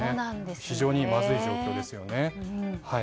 非常にまずい状況ですよね。